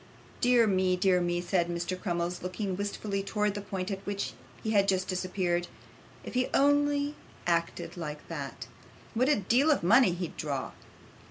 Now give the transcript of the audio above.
'Dear me, dear me,' said Mr. Crummles, looking wistfully towards the point at which he had just disappeared; 'if he only acted like that, what a deal of money he'd draw!